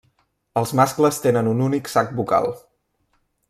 Els mascles tenen un únic sac bucal.